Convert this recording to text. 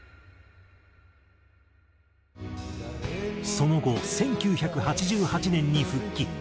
その後１９８８年に復帰。